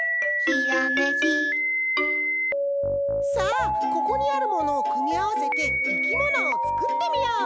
さあここにあるものをくみあわせていきものをつくってみよう！